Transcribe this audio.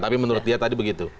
tapi menurut dia tadi begitu